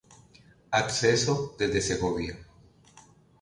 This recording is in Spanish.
Acceso desde Segovia.